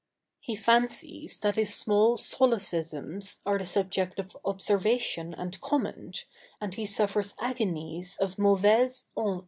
] He fancies that his small solecisms are the subject of observation and comment, and he suffers agonies of mauvaise honte.